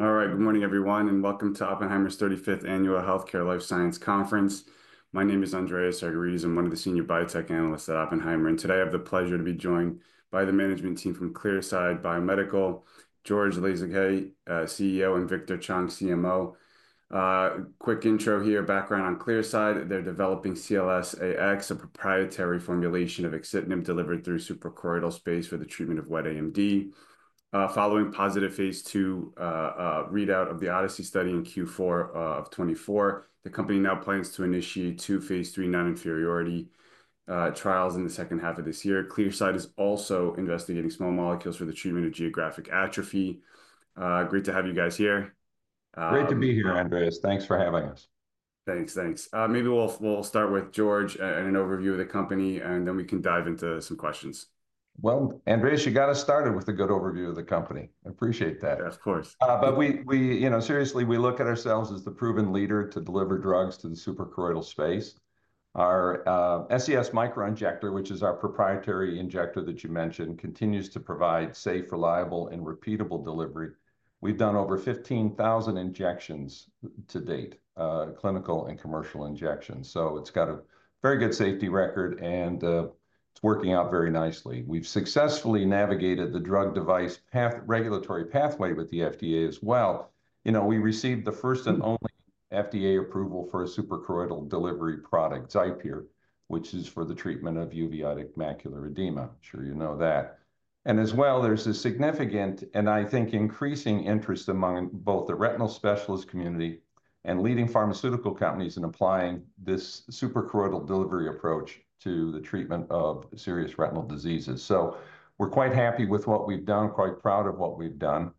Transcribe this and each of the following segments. All right, good morning, everyone, and welcome to Oppenheimer's 35th Annual Healthcare Life Sciences Conference. My name is Andreas Argyrides. I'm one of the senior biotech analysts at Oppenheimer, and today I have the pleasure to be joined by the management team from Clearside Biomedical, George Lasezkay, CEO, and Victor Chong, CMO. Quick intro here, background on Clearside: they're developing CLS-AX, a proprietary formulation of axitinib delivered through suprachoroidal space for the treatment of wet AMD. Following positive phase 2 readout of the Odyssey study in Q4 of 2024, the company now plans to initiate two phase 3 non-inferiority trials in the second half of this year. Clearside is also investigating small molecules for the treatment of geographic atrophy. Great to have you guys here. Great to be here, Andreas. Thanks for having us. Thanks, thanks. Maybe we'll start with George and an overview of the company, and then we can dive into some questions. Andreas, you got us started with a good overview of the company. I appreciate that. Yeah, of course. We, you know, seriously, we look at ourselves as the proven leader to deliver drugs to the suprachoroidal space. Our SCS Microinjector, which is our proprietary injector that you mentioned, continues to provide safe, reliable, and repeatable delivery. We've done over 15,000 injections to date, clinical and commercial injections. It has a very good safety record, and it's working out very nicely. We've successfully navigated the drug-device regulatory pathway with the FDA as well. You know, we received the first and only FDA approval for a suprachoroidal delivery product, XIPERE, which is for the treatment of uveitic macular edema. I'm sure you know that. There is a significant and I think increasing interest among both the retinal specialist community and leading pharmaceutical companies in applying this suprachoroidal delivery approach to the treatment of serious retinal diseases. We're quite happy with what we've done, quite proud of what we've done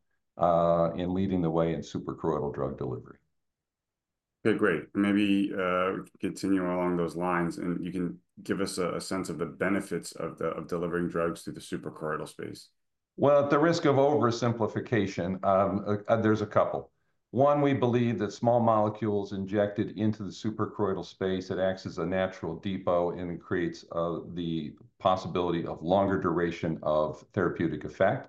in leading the way in suprachoroidal drug delivery. Okay, great. Maybe we can continue along those lines, and you can give us a sense of the benefits of delivering drugs to the suprachoroidal space. At the risk of oversimplification, there's a couple. One, we believe that small molecules injected into the suprachoroidal space, it acts as a natural depot and creates the possibility of longer duration of therapeutic effect.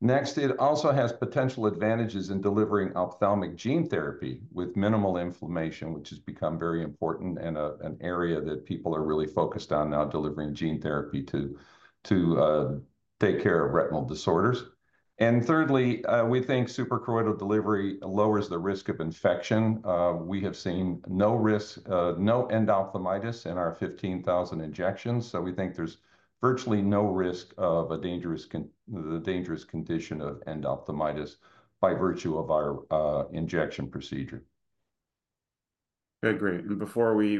Next, it also has potential advantages in delivering ophthalmic gene therapy with minimal inflammation, which has become very important and an area that people are really focused on now, delivering gene therapy to take care of retinal disorders. Thirdly, we think suprachoroidal delivery lowers the risk of infection. We have seen no risk, no endophthalmitis in our 15,000 injections, so we think there's virtually no risk of a dangerous condition of endophthalmitis by virtue of our injection procedure. Okay, great. Before we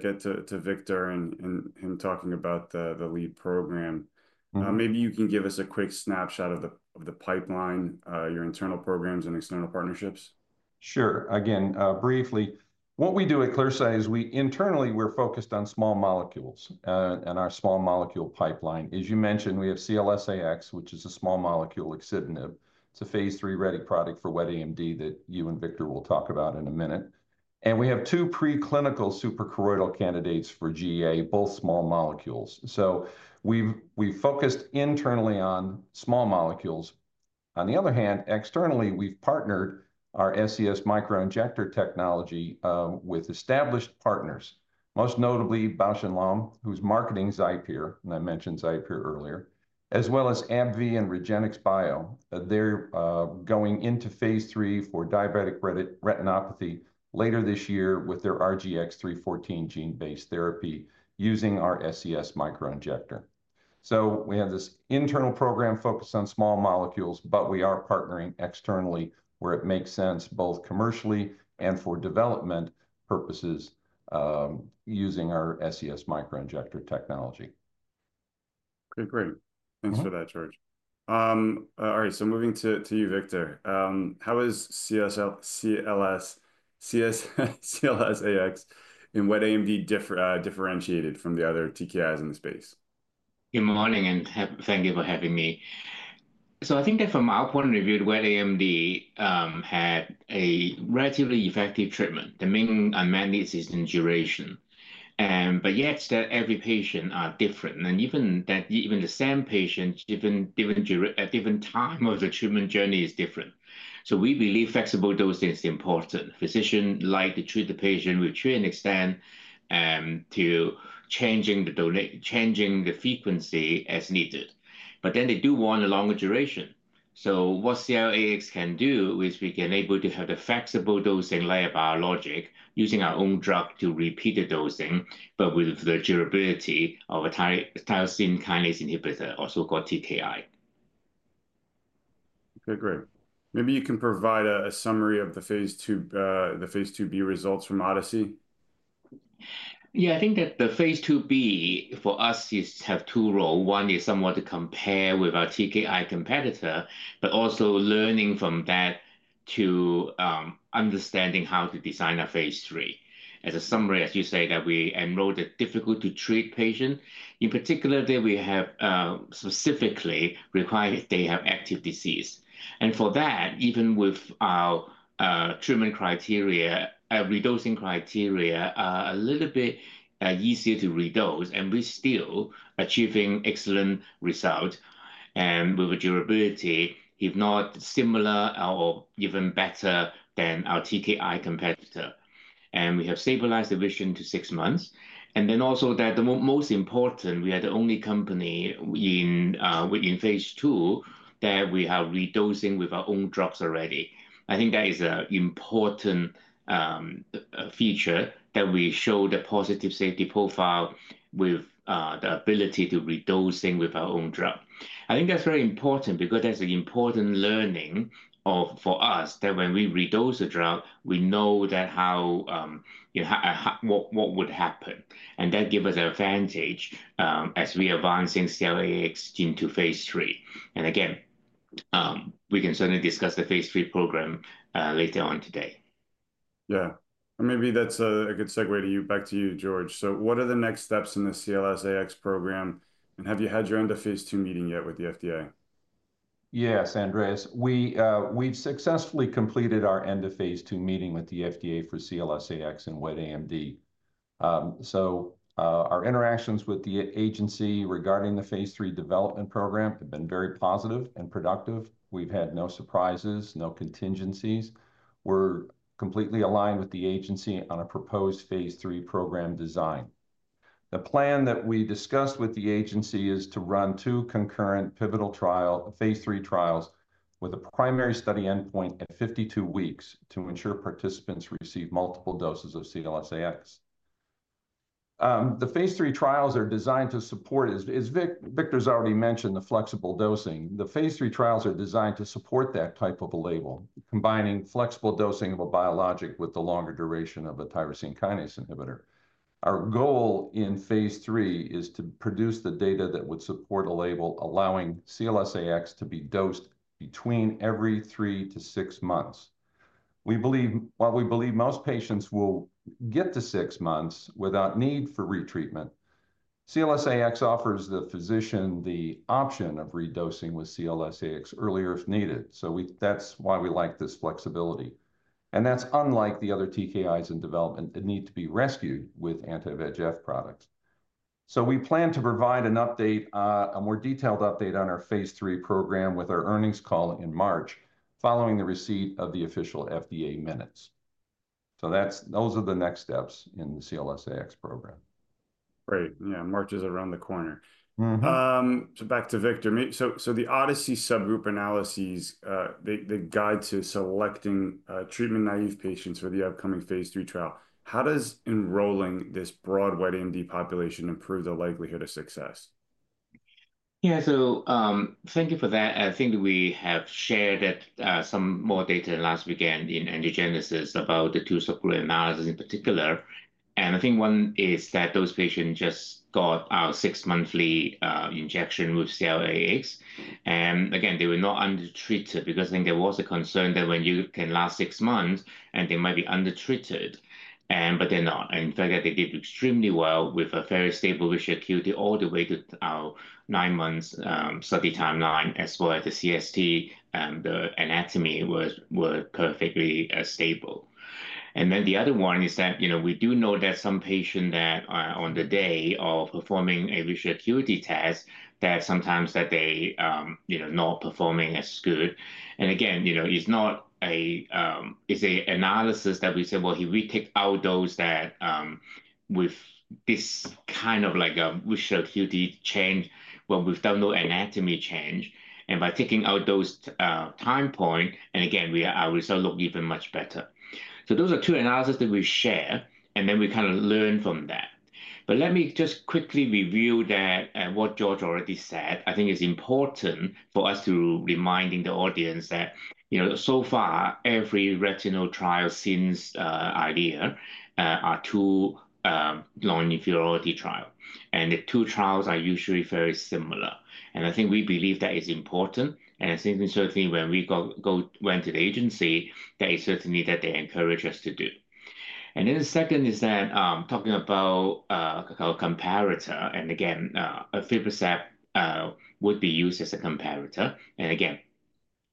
get to Victor and him talking about the lead program, maybe you can give us a quick snapshot of the pipeline, your internal programs and external partnerships. Sure. Again, briefly, what we do at Clearside is we internally, we're focused on small molecules and our small molecule pipeline. As you mentioned, we have CLS-AX, which is a small molecule axitinib. It's a phase 3 ready product for wet AMD that you and Victor will talk about in a minute. And we have two preclinical suprachoroidal candidates for GA, both small molecules. So we've focused internally on small molecules. On the other hand, externally, we've partnered our SCS Microinjector technology with established partners, most notably Bausch + Lomb, who's marketing XIPERE, and I mentioned XIPERE earlier, as well as AbbVie and REGENXBIO. They're going into phase 3 for diabetic retinopathy later this year with their RGX-314 gene-based therapy using our SCS Microinjector. We have this internal program focused on small molecules, but we are partnering externally where it makes sense, both commercially and for development purposes, using our SCS Microinjector technology. Okay, great. Thanks for that, George. All right, so moving to you, Victor. How is CLS-AX in wet AMD differentiated from the other TKIs in the space? Good morning, and thank you for having me. I think that from our point of view, wet AMD had a relatively effective treatment. The main mandate is in duration. Yet, every patient is different, and even the same patient, even at different times of the treatment journey, is different. We believe flexible dosing is important. Physicians like to treat the patient with treat and extend to changing the frequency as needed. They do want a longer duration. What CLS-AX can do is we can be able to have the flexible dosing layer biologic using our own drug to repeat the dosing, but with the durability of a tyrosine kinase inhibitor, also called TKI. Okay, great. Maybe you can provide a summary of the phase 2b results from Odyssey. Yeah, I think that the phase 2b for us is to have two roles. One is somewhat to compare with our TKI competitor, but also learning from that to understanding how to design a phase 3. As a summary, as you say, that we enroll the difficult-to-treat patient. In particular, we have specifically required they have active disease. For that, even with our treatment criteria, reducing criteria are a little bit easier to reduce, and we're still achieving excellent results and with durability, if not similar or even better than our TKI competitor. We have stabilized the vision to six months. The most important, we are the only company in phase 2 that we have redosing with our own drugs already. I think that is an important feature that we show the positive safety profile with the ability to redosing with our own drug. I think that's very important because that's an important learning for us that when we reduce a drug, we know that how what would happen. That gives us an advantage as we advance in CLS-AX into phase 3. We can certainly discuss the phase 3 program later on today. Yeah. Maybe that's a good segue back to you, George. What are the next steps in the CLS-AX program? Have you had your end of phase 2 meeting yet with the FDA? Yes, Andreas. We've successfully completed our end of phase 2 meeting with the FDA for CLS-AX in wet AMD. Our interactions with the agency regarding the phase 3 development program have been very positive and productive. We've had no surprises, no contingencies. We're completely aligned with the agency on a proposed phase 3 program design. The plan that we discussed with the agency is to run two concurrent pivotal trials, phase 3 trials, with a primary study endpoint at 52 weeks to ensure participants receive multiple doses of CLS-AX. The phase 3 trials are designed to support, as Victor's already mentioned, the flexible dosing. The phase 3 trials are designed to support that type of a label, combining flexible dosing of a biologic with the longer duration of a tyrosine kinase inhibitor. Our goal in phase 3 is to produce the data that would support a label, allowing CLS-AX to be dosed between every three to six months. While we believe most patients will get to six months without need for retreatment, CLS-AX offers the physician the option of redosing with CLS-AX earlier if needed. That is why we like this flexibility. That is unlike the other TKIs in development that need to be rescued with anti-VEGF products. We plan to provide a more detailed update on our phase 3 program with our earnings call in March following the receipt of the official FDA minutes. Those are the next steps in the CLS-AX program. Great. Yeah, March is around the corner. Back to Victor. The Odyssey subgroup analyses, they guide to selecting treatment naive patients for the upcoming phase 3 trial. How does enrolling this broad wet AMD population improve the likelihood of success? Yeah, thank you for that. I think we have shared some more data last weekend in Angiogenesis about the two subgroup analyses in particular. I think one is that those patients just got our six-monthly injection with CLS-AX. Again, they were not undertreated because I think there was a concern that when you can last six months, they might be undertreated, but they're not. In fact, they did extremely well with a very stable visual acuity all the way to our nine-month study timeline, as well as the CST and the anatomy were perfectly stable. The other one is that, you know, we do know that some patients that on the day of performing a visual acuity test, sometimes they are not performing as good. Again, you know, it's not an analysis that we say, well, if we take out those with this kind of like a visual acuity change, we've done no anatomy change. By taking out those time points, our results look even much better. Those are two analyses that we share, and then we kind of learn from that. Let me just quickly review what George already said. I think it's important for us to remind the audience that, you know, so far, every retinal trial since Eylea are two non-inferiority trials. The two trials are usually very similar. I think we believe that is important. I think certainly when we went to the agency, that is certainly what they encourage us to do. The second is that talking about a comparator, and again, EYLEA would be used as a comparator.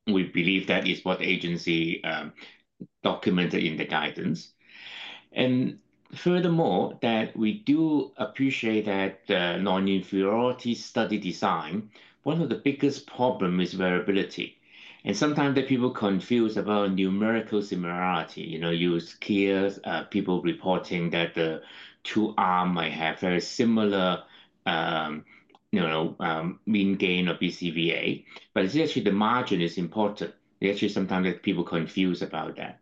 We believe that is what the agency documented in the guidance. Furthermore, we do appreciate that the non-inferiority study design, one of the biggest problems is variability. Sometimes people confuse about numerical similarity. You know, you hear people reporting that the two arms might have very similar mean gain of BCVA. But actually the margin is important. Sometimes people confuse about that.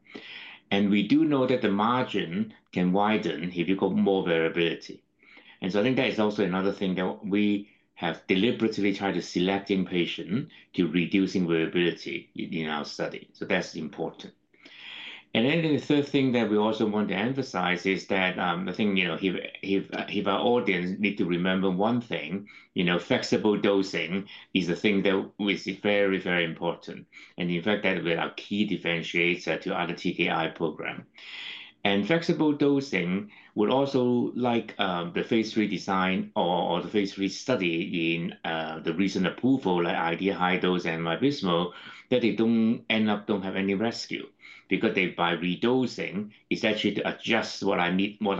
We do know that the margin can widen if you got more variability. I think that is also another thing that we have deliberately tried to select in patients to reduce variability in our study. That's important. The third thing that we also want to emphasize is that I think, you know, if our audience need to remember one thing, you know, flexible dosing is a thing that is very, very important. In fact, that will be our key differentiator to other TKI programs. Flexible dosing would also, like the phase 3 design or the phase 3 study in the recent approval, like EYLEA HD and VABYSMO, that they do not have any rescue because by redosing, it is actually to adjust what I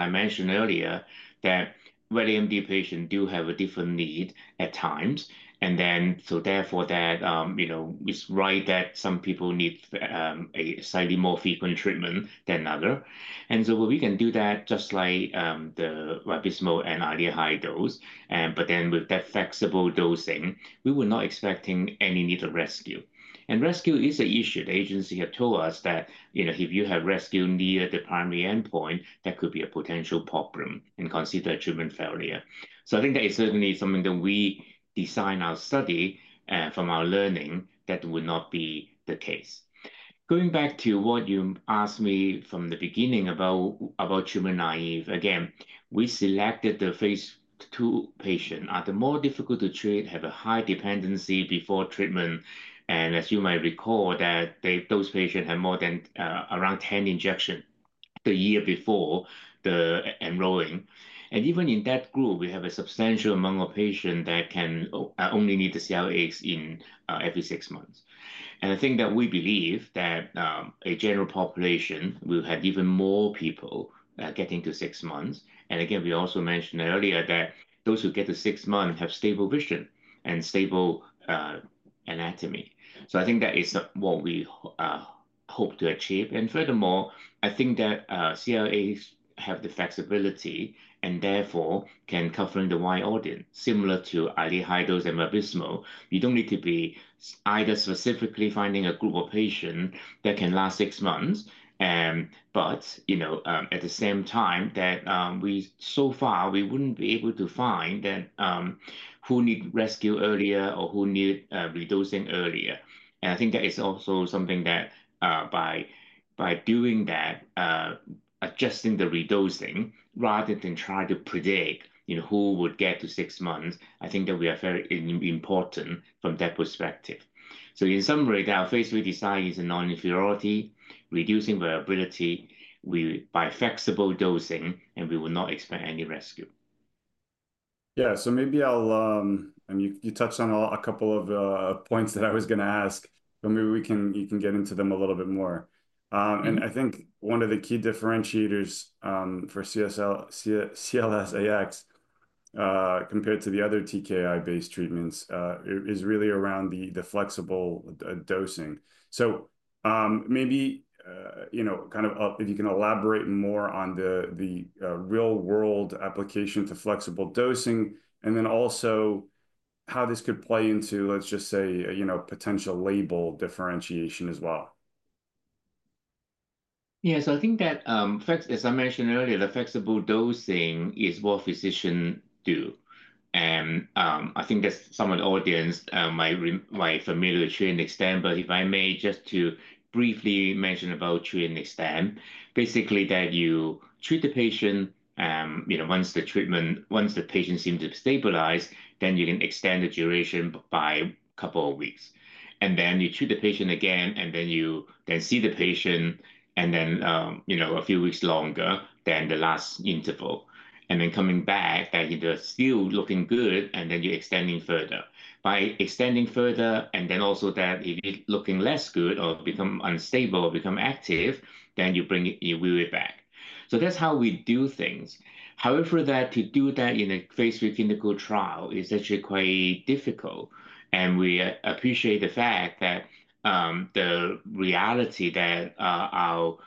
mentioned earlier, that wet AMD patients do have a different need at times. Therefore, you know, it is right that some people need a slightly more frequent treatment than others. We can do that just like the VABYSMO and EYLEA HD. With that flexible dosing, we were not expecting any need to rescue. Rescue is an issue. The agency has told us that, you know, if you have rescue near the primary endpoint, that could be a potential problem and consider treatment failure. I think that is certainly something that we design our study from our learning that would not be the case. Going back to what you asked me from the beginning about treatment naive, again, we selected the phase 2 patients are the more difficult to treat, have a high dependency before treatment. As you might recall, those patients have more than around 10 injections the year before enrolling. Even in that group, we have a substantial amount of patients that can only need the CLS-AX in every six months. I think that we believe that a general population will have even more people getting to six months. We also mentioned earlier that those who get to six months have stable vision and stable anatomy. I think that is what we hope to achieve. Furthermore, I think that CLS-AX has the flexibility and therefore can cover a wide audience similar to EYLEA HD and VABYSMO. You do not need to be specifically finding a group of patients that can last six months, but at the same time, so far, we would not be able to find those who need rescue earlier or who need redosing earlier. I think that is also something that by doing that, adjusting the redosing rather than try to predict, you know, who would get to six months, I think that we are very important from that perspective. In summary, our phase 3 design is a non-inferiority, reducing variability by flexible dosing, and we will not expect any rescue. Yeah, maybe I'll, and you touched on a couple of points that I was going to ask, but maybe we can, you can get into them a little bit more. I think one of the key differentiators for CLS-AX compared to the other TKI-based treatments is really around the flexible dosing. Maybe, you know, kind of if you can elaborate more on the real-world application to flexible dosing, and then also how this could play into, let's just say, you know, potential label differentiation as well. Yeah, so I think that, as I mentioned earlier, the flexible dosing is what physicians do. I think that some of the audience might be familiar with treat and extend, but if I may just briefly mention about treat and extend, basically that you treat the patient, you know, once the treatment, once the patient seems to have stabilized, then you can extend the duration by a couple of weeks. You treat the patient again, and then you see the patient, and then, you know, a few weeks longer than the last interval. Coming back, that you're still looking good, and then you're extending further. By extending further, and then also that if you're looking less good or become unstable or become active, then you bring it, you wear it back. That's how we do things. However, to do that in a phase 3 clinical trial is actually quite difficult. We appreciate the fact that the reality that our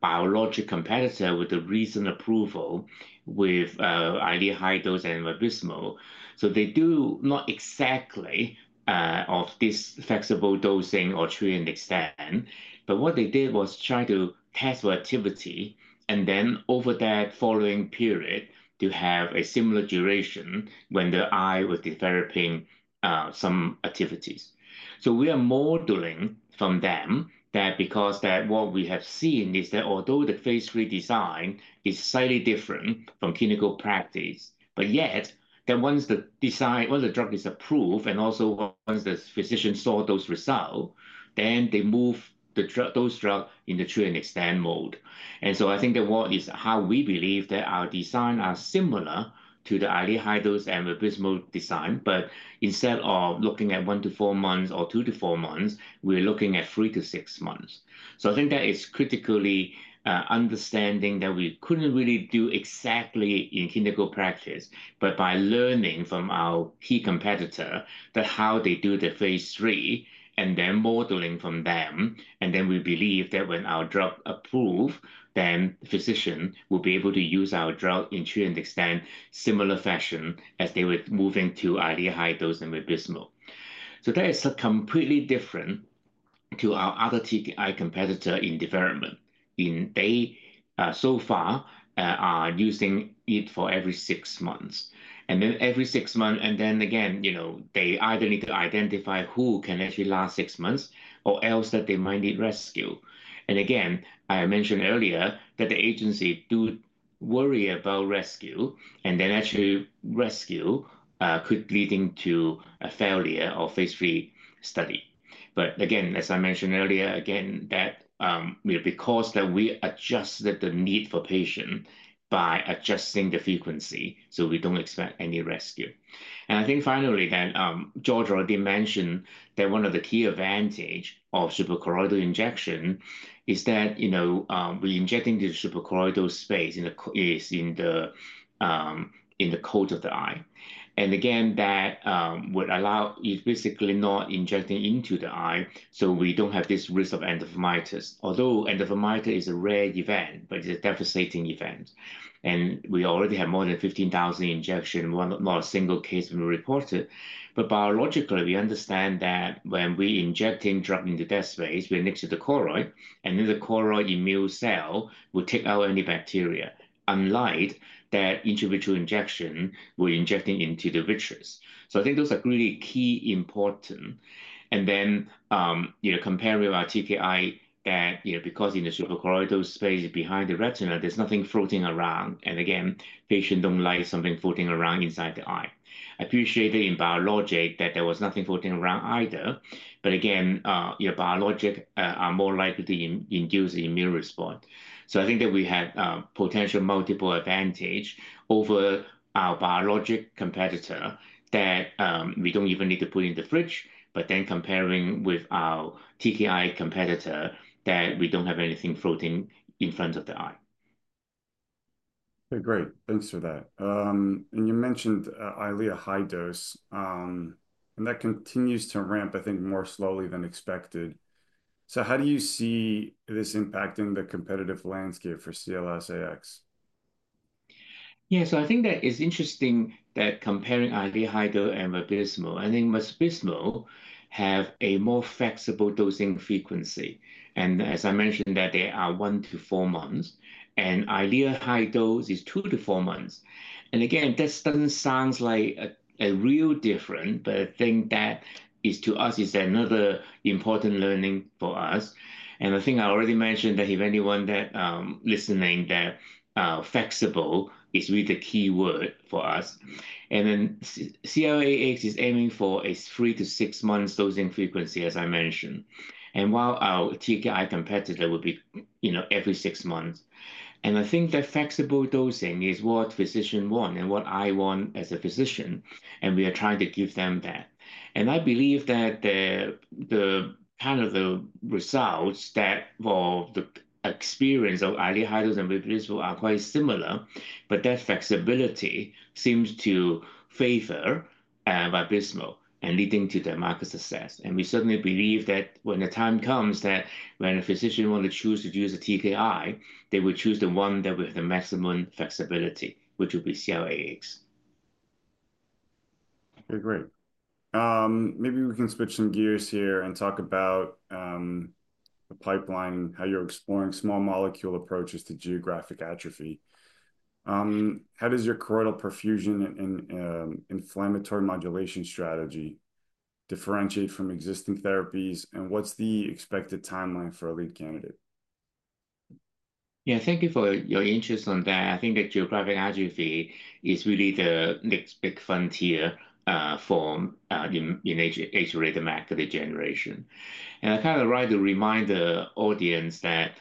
biologic competitor with the recent approval with EYLEA HD and VABYSMO, they do not exactly have this flexible dosing or treat and extend, but what they did was try to test for activity, and then over that following period, to have a similar duration when the eye was developing some activities. We are modeling from them that because what we have seen is that although the phase 3 design is slightly different from clinical practice, once the design, once the drug is approved, and also once the physician saw those results, they move those drugs into treat and extend mode. I think that what is how we believe that our design are similar to the EYLEA high dose and VABYSMO design, but instead of looking at one to four months or two to four months, we're looking at three to six months. I think that is critically understanding that we couldn't really do exactly in clinical practice, but by learning from our key competitor that how they do the phase 3, and then modeling from them, and then we believe that when our drug approved, then physicians will be able to use our drug in treat and extend similar fashion as they were moving to EYLEA high dose and VABYSMO. That is completely different to our other TKI competitor in development. They so far are using it for every six months. Every six months, and then again, you know, they either need to identify who can actually last six months or else that they might need rescue. I mentioned earlier that the agency do worry about rescue, and actually rescue could lead into a failure of phase 3 study. I mentioned earlier, again, that will be caused that we adjusted the need for patients by adjusting the frequency, so we do not expect any rescue. I think finally that George already mentioned that one of the key advantages of suprachoroidal injection is that, you know, we are injecting the suprachoroidal space in the coat of the eye. That would allow you basically not injecting into the eye, so we do not have this risk of endophthalmitis. Although endophthalmitis is a rare event, it is a devastating event. We already have more than 15,000 injections, not a single case been reported. Biologically, we understand that when we're injecting drugs into that space, we're next to the choroid, and then the choroid immune cell will take out any bacteria, unlike that intravitreal injection where we're injecting into the vitreous. I think those are really key important. You know, comparing with our TKI, you know, because in the suprachoroidal space behind the retina, there's nothing floating around. Again, patients don't like something floating around inside the eye. I appreciate that in biologic that there was nothing floating around either. Again, your biologic are more likely to induce an immune response. I think that we had potential multiple advantages over our biologic competitor that we do not even need to put in the fridge, but then comparing with our TKI competitor that we do not have anything floating in front of the eye. Okay, great. Thanks for that. You mentioned EYLEA HD, and that continues to ramp, I think, more slowly than expected. How do you see this impacting the competitive landscape for CLS-AX? Yeah, so I think that it's interesting that comparing EYLEA HD and VABYSMO, I think VABYSMO have a more flexible dosing frequency. As I mentioned, they are one to four months, and EYLEA HD is two to four months. That doesn't sound like a real difference, but I think that is to us is another important learning for us. I think I already mentioned that if anyone that listening, that flexible is really the key word for us. CLS-AX is aiming for a three to six months dosing frequency, as I mentioned. While our TKI competitor would be, you know, every six months. I think that flexible dosing is what physicians want and what I want as a physician, and we are trying to give them that. I believe that the kind of the results that for the experience of EYLEA HD and VABYSMO are quite similar, but that flexibility seems to favor VABYSMO and leading to their market success. We certainly believe that when the time comes that when a physician wants to choose to use a TKI, they will choose the one that with the maximum flexibility, which will be CLS-AX. Okay, great. Maybe we can switch some gears here and talk about the pipeline, how you're exploring small molecule approaches to geographic atrophy. How does your choroidal perfusion and inflammatory modulation strategy differentiate from existing therapies, and what's the expected timeline for a lead candidate? Yeah, thank you for your interest on that. I think that geographic atrophy is really the next big frontier for in age-related macular degeneration. I kind of write a reminder audience that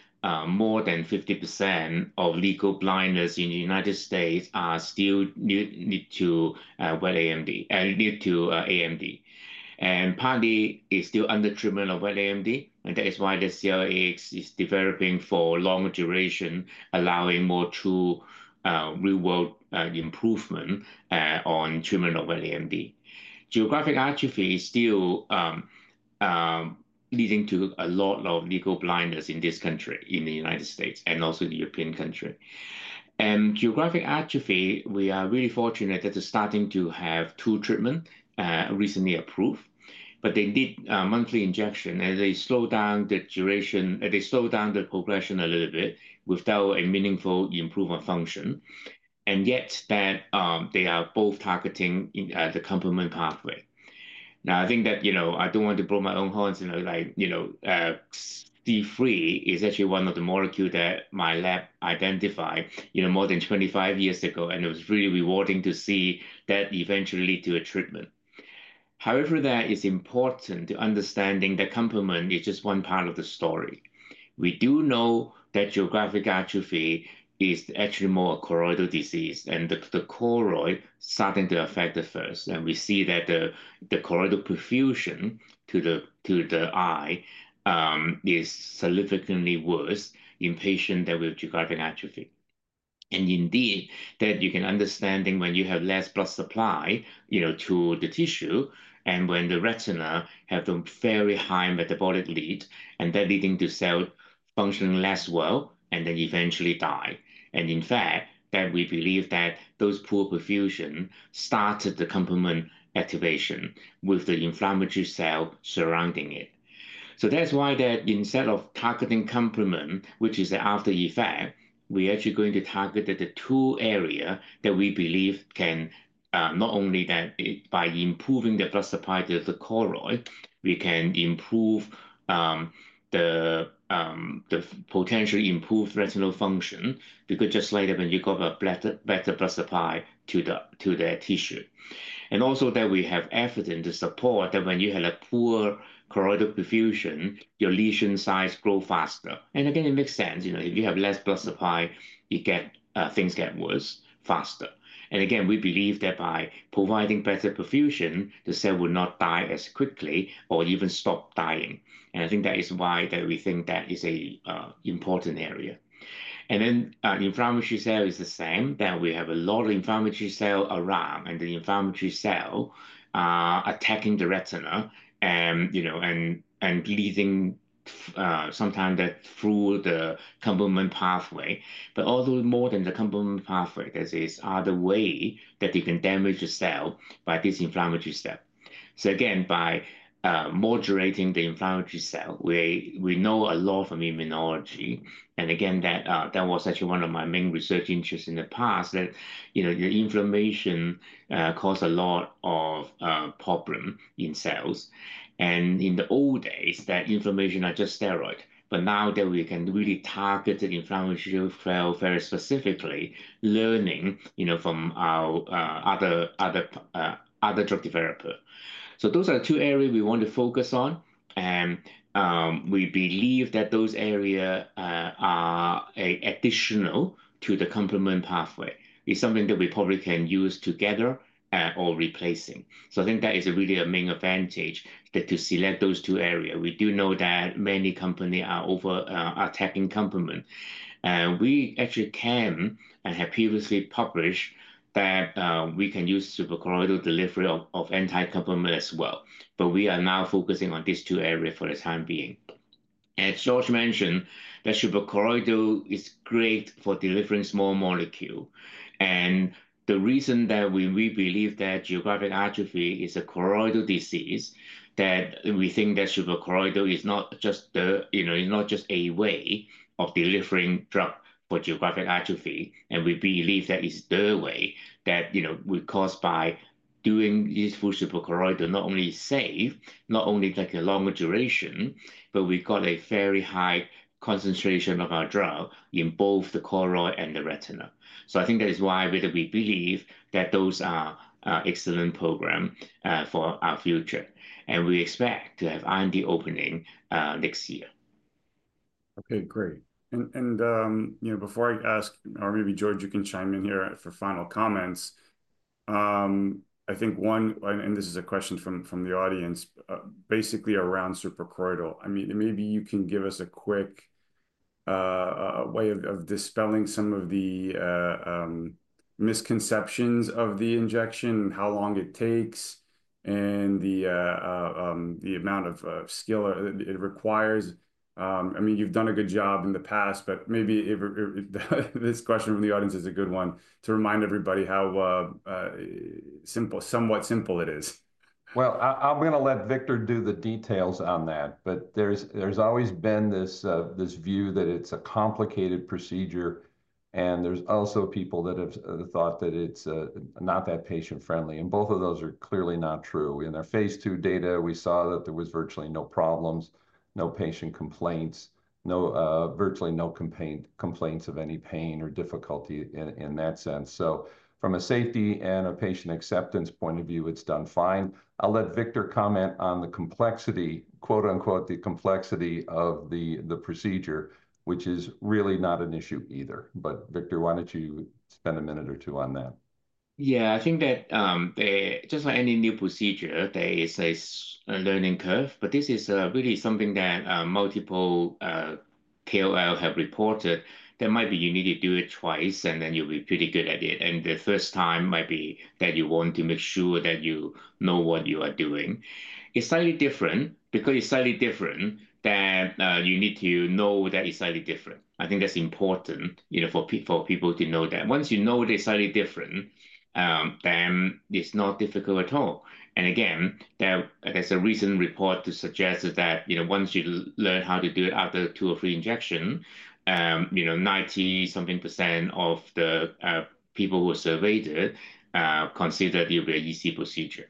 more than 50% of legal blindness in the United States still need to wet AMD, need to AMD. Partly is still under treatment of wet AMD, and that is why the CLS-AX is developing for longer duration, allowing more true real-world improvement on treatment of wet AMD. Geographic atrophy is still leading to a lot of legal blindness in this country, in the United States and also in the European country. Geographic atrophy, we are really fortunate that they're starting to have two treatments recently approved, but they need monthly injection, and they slow down the duration, they slow down the progression a little bit without a meaningful improvement of function. Yet that they are both targeting the complement pathway. Now, I think that, you know, I don't want to blow my own horns, you know, like C3 is actually one of the molecules that my lab identified, you know, more than 25 years ago, and it was really rewarding to see that eventually lead to a treatment. However, that is important to understanding that complement is just one part of the story. We do know that geographic atrophy is actually more a choroidal disease, and the choroid is starting to affect the first, and we see that the choroidal perfusion to the eye is significantly worse in patients that with geographic atrophy. Indeed, you can understand when you have less blood supply, you know, to the tissue, and when the retina has a very high metabolic need, and that leads to cells functioning less well, and then eventually dying. In fact, we believe that those poor perfusion areas start the complement activation with the inflammatory cells surrounding it. That is why, instead of targeting complement, which is the after effect, we are actually going to target the two areas that we believe can, not only by improving the blood supply to the choroid, potentially improve retinal function, because just later when you get a better blood supply to the tissue. Also, we have evidence to support that when you have poor choroidal perfusion, your lesion size grows faster. It makes sense, you know, if you have less blood supply, things get worse faster. We believe that by providing better perfusion, the cell will not die as quickly or even stop dying. I think that is why we think that is an important area. The inflammatory cell is the same, that we have a lot of inflammatory cell around, and the inflammatory cell attacking the retina, you know, and leading sometimes that through the complement pathway, but also more than the complement pathway, there is other way that you can damage the cell by this inflammatory step. By moderating the inflammatory cell, we know a lot from immunology. That was actually one of my main research interests in the past, that, you know, your inflammation causes a lot of problems in cells. In the old days, that inflammation are just steroids, but now that we can really target the inflammatory cell very specifically, learning, you know, from our other drug developers. Those are the two areas we want to focus on, and we believe that those areas are additional to the complement pathway. It's something that we probably can use together or replacing. I think that is really a main advantage that to select those two areas. We do know that many companies are over attacking complement. We actually can and have previously published that we can use suprachoroidal delivery of anti-complement as well, but we are now focusing on these two areas for the time being. As George mentioned, that suprachoroidal is great for delivering small molecules. The reason that we believe that geographic atrophy is a choroidal disease, that we think that suprachoroidal is not just the, you know, is not just a way of delivering drug for geographic atrophy, and we believe that is the way that, you know, we caused by doing this full suprachoroidal not only safe, not only take a longer duration, but we got a very high concentration of our drug in both the choroid and the retina. I think that is why that we believe that those are excellent programs for our future. We expect to have IND opening next year. Okay, great. You know, before I ask, or maybe George, you can chime in here for final comments. I think one, and this is a question from the audience, basically around suprachoroidal. I mean, maybe you can give us a quick way of dispelling some of the misconceptions of the injection, how long it takes, and the amount of skill it requires. I mean, you've done a good job in the past, but maybe this question from the audience is a good one to remind everybody how simple, somewhat simple it is. I'm going to let Victor do the details on that, but there's always been this view that it's a complicated procedure, and there's also people that have thought that it's not that patient-friendly. Both of those are clearly not true. In their phase two data, we saw that there was virtually no problems, no patient complaints, virtually no complaints of any pain or difficulty in that sense. From a safety and a patient acceptance point of view, it's done fine. I'll let Victor comment on the complexity, quote unquote, the complexity of the procedure, which is really not an issue either. Victor, why don't you spend a minute or two on that? Yeah, I think that just like any new procedure, there is a learning curve, but this is really something that multiple KOL have reported that maybe you need to do it twice, and then you'll be pretty good at it. The first time might be that you want to make sure that you know what you are doing. It's slightly different because it's slightly different that you need to know that it's slightly different. I think that's important, you know, for people to know that. Once you know that it's slightly different, then it's not difficult at all. There is a recent report to suggest that, you know, once you learn how to do it after two or three injections, you know, 90-something % of the people who are surveyed considered it to be an easy procedure.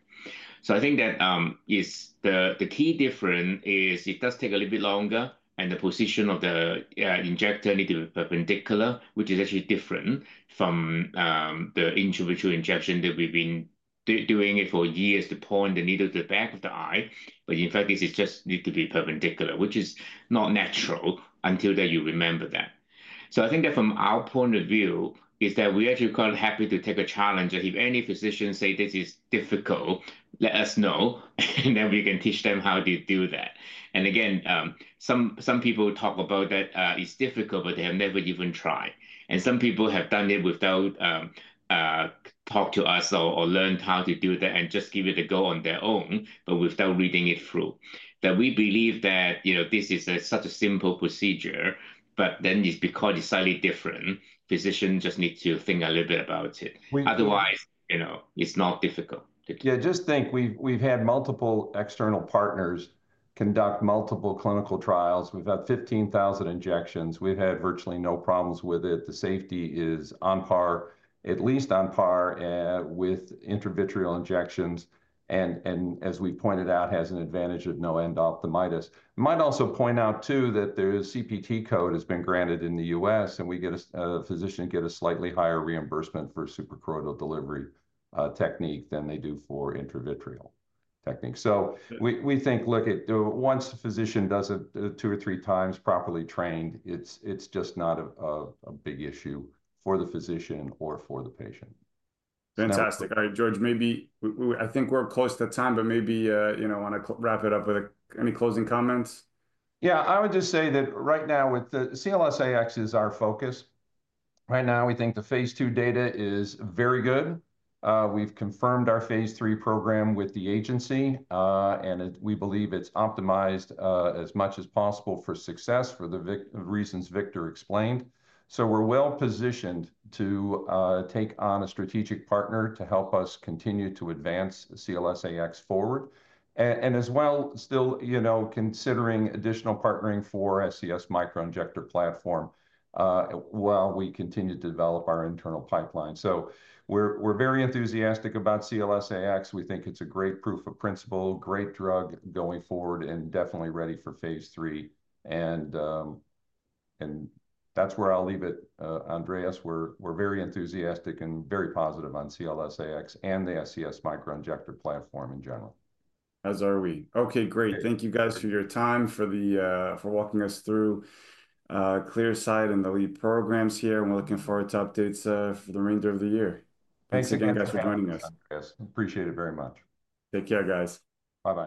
I think that the key difference is it does take a little bit longer, and the position of the injector needs to be perpendicular, which is actually different from the intravitreal injection that we've been doing for years to point the needle to the back of the eye. In fact, this just needs to be perpendicular, which is not natural until you remember that. I think that from our point of view is that we are actually quite happy to take a challenge. If any physicians say this is difficult, let us know, and then we can teach them how to do that. Again, some people talk about that it's difficult, but they have never even tried. Some people have done it without talking to us or learned how to do that and just give it a go on their own, but without reading it through. We believe that, you know, this is such a simple procedure, but then it's because it's slightly different. Physicians just need to think a little bit about it. Otherwise, you know, it's not difficult. Yeah, just think we've had multiple external partners conduct multiple clinical trials. We've had 15,000 injections. We've had virtually no problems with it. The safety is on par, at least on par with intravitreal injections. As we pointed out, it has an advantage of no endophthalmitis. I might also point out too that there is a CPT code that has been granted in the U.S., and we get a physician get a slightly higher reimbursement for suprachoroidal delivery technique than they do for intravitreal technique. We think, look, once a physician does it two or three times properly trained, it's just not a big issue for the physician or for the patient. Fantastic. All right, George, maybe I think we're close to time, but maybe, you know, want to wrap it up with any closing comments? Yeah, I would just say that right now with the CLS-AX is our focus. Right now, we think the phase two data is very good. We've confirmed our phase three program with the agency, and we believe it's optimized as much as possible for success for the reasons Victor explained. We are well positioned to take on a strategic partner to help us continue to advance CLS-AX forward. As well, still, you know, considering additional partnering for SCS Microinjector platform while we continue to develop our internal pipeline. We are very enthusiastic about CLS-AX. We think it's a great proof of principle, great drug going forward, and definitely ready for phase three. That's where I'll leave it, Andreas. We are very enthusiastic and very positive on CLS-AX and the SCS Microinjector platform in general. As are we. Okay, great. Thank you guys for your time, for walking us through Clearside and the lead programs here, and we're looking forward to updates for the remainder of the year. Thanks again, guys, for joining us. Thanks, Andreas. Appreciate it very much. Take care, guys. Bye-bye.